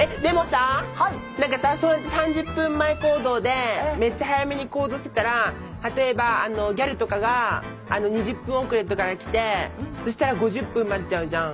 何かさそうやって３０分前行動でめっちゃ早めに行動してたら例えばギャルとかが２０分遅れとかで来てそしたら５０分待っちゃうじゃん？